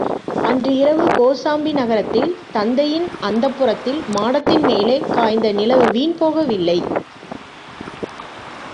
அன்று இரவு கோசாம்பி நகரத்தில் தத்தையின் அந்தப்புரத்தில் மாடத்தின்மேலே காய்ந்த நிலவு வீண் போகவில்லை!